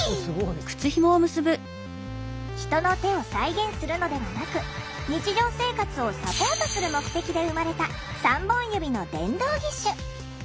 人の手を再現するのではなく日常生活をサポートする目的で生まれた３本指の電動義手。